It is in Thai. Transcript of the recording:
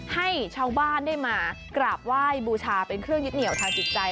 ให้ชาวบ้านได้มากราบไหว้บูชาเป็นเครื่องยึดเหนียวทางจิตใจ